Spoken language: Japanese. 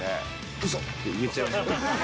うそって言っちゃいました。